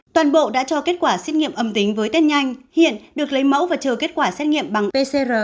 toàn bộ đã cho kết quả xét nghiệm âm tính với test nhanh hiện được lấy mẫu và chờ kết quả xét nghiệm bằng pcr